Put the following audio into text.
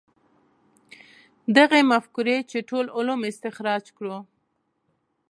دغې مفکورې چې ټول علوم استخراج کړو.